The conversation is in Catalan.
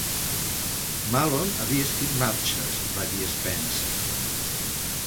"Mahlon havia escrit marxes", va dir Spence.